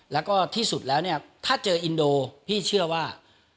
แล้วก็ที่สุดแล้วเนี่ยถ้าเจออินโดพี่เชื่อว่า